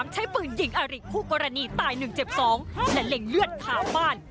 ใช้ปืนยิงอาริคู่กรณีตาย๑เจ็บ๒และเล็งเลือดขาบ้าน